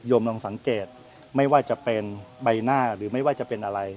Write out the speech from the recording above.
ลองสังเกตไม่ว่าจะเป็นใบหน้าหรือไม่ว่าจะเป็นอะไร